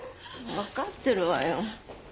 分かってるわよ。